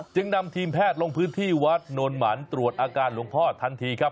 จึงนำทีมแพทย์ลงพื้นที่วัดโนนหมันตรวจอาการหลวงพ่อทันทีครับ